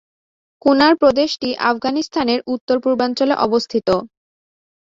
কুনার প্রদেশটি আফগানিস্তানের উত্তর-পূর্বাঞ্চলে অবস্থিত।